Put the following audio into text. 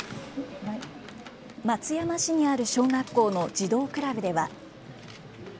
松山市にある小学校の児童クラブでは。